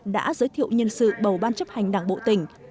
đã giới thiệu nhân sự bầu ban chấp hành đảng bộ tỉnh